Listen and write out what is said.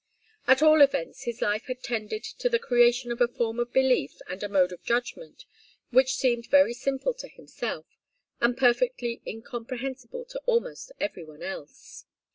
At all events, his life had tended to the creation of a form of belief and a mode of judgment which seemed very simple to himself, and perfectly incomprehensible to almost every one else.